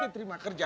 nanti bisa kerja